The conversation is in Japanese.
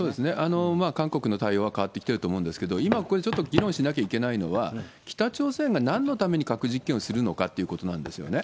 韓国の対応は変わってきてると思うんですけれども、今ここでちょっと議論しなきゃいけないのは、北朝鮮がなんのために核実験をするのかっていうことなんですよね。